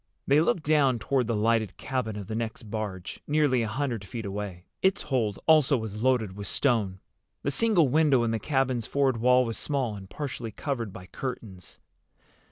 They looked down toward the lighted cabin of the next barge, nearly a hundred feet away. Its hold also was loaded with stone. The single window in the cabin's forward wall was small and partially covered by curtains.